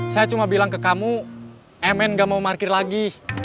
saya cuma bilang ke kamu mn gak mau parkir lagi